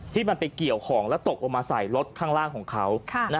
ที่มันไปเกี่ยวของแล้วตกลงมาใส่รถข้างล่างของเขา